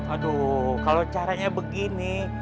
aduh kalo caranya begini